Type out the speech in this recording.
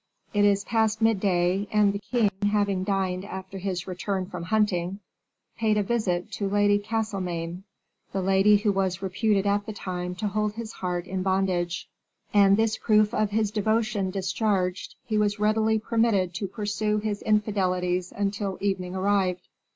It is past midday, and the king, having dined after his return from hunting, paid a visit to Lady Castlemaine, the lady who was reputed at the time to hold his heart in bondage; and this proof of his devotion discharged, he was readily permitted to pursue his infidelities until evening arrived.